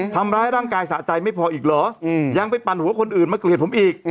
ทำร้ายร่างกายสะใจไม่พออีกเหรอยังไปปั่นหัวคนอื่นมาเกลียดผมอีก